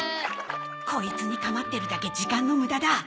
コイツに構ってるだけ時間の無駄だ